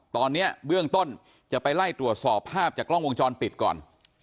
ตอนนี้เบื้องต้นจะไปไล่ตรวจสอบภาพจากกล้องวงจรปิดก่อน